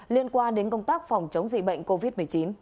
liên quan đến công tác phòng chống dịch bệnh covid một mươi chín